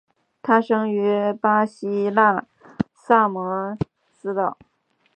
他生于古希腊萨摩斯岛。